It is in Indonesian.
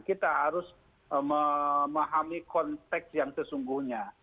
kita harus memahami konteks yang sesungguhnya